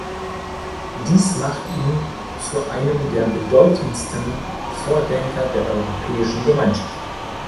Dies macht ihn zu einem der bedeutendsten Vordenker der europäischen Gemeinschaft.